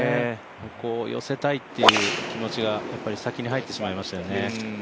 ここ、寄せたいっていう気持ちが先に入ってしまいますよね。